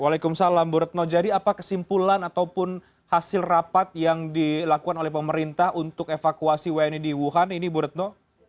waalaikumsalam burutno jadi apa kesimpulan ataupun hasil rapat yang dilakukan oleh pemerintah untuk evakuasi wni di wuhan ini burutno